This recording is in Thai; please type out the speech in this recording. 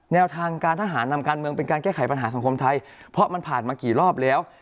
แนวทางการทหารนำการเมืองเป็นการแก้ไขปัญหาสังคมไทยเพราะมันผ่านมากี่รอบแล้ว